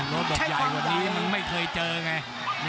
รถแบบใหญ่กว่านี้มันไม่เคยเจอไง